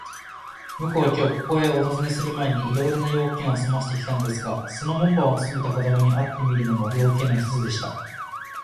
ぼくはきょう、ここへおたずねするまえに、いろいろな用件をすませてきたのですが、その門番をつとめた子どもに会ってみるのも、用件の一つでした。